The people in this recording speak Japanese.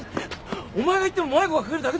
お前が行っても迷子が増えるだけだろ。